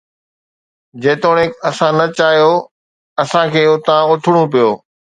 جيتوڻيڪ اسان نه چاهيو، اسان کي اتان اٿڻو پيو